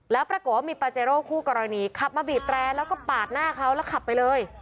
แล้วปรากฏว่ามีปาเจโร่คู่กรณีขับมาบีบแตรแล้วก็ปาดหน้าเขาแล้วขับไปเลย